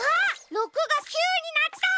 ６が９になった！